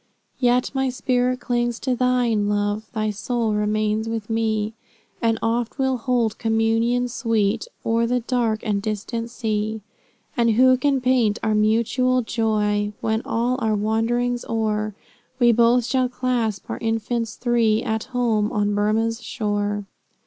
Yet my spirit clings to thine, Love, Thy soul remains with me, And oft we'll hold communion sweet, O'er the dark and distant sea. And who can paint our mutual joy, When, all our wanderings o'er, We both shall clasp our infants three, At home, on Burmah's shore.